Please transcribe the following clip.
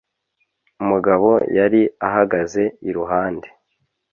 mugabo yari ahagaze iruhande